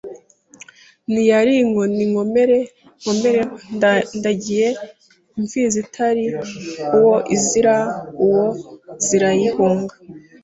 Niariye inkoni Nkomere nkomereho Ndagiye imfizi itari uwoa Iziri uwoa zirayihunga